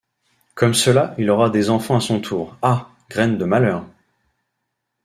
Comme cela, il aura des enfants à son tour. — Ah! graine de malheur !